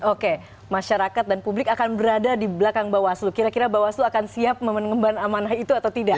oke masyarakat dan publik akan berada di belakang bawaslu kira kira bawaslu akan siap mengemban amanah itu atau tidak